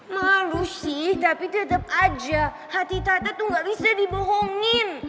malu sih tapi tetep aja hati tata tuh gak bisa dibohongin